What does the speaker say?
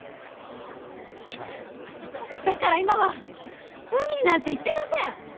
だから今は海になんて行ってません！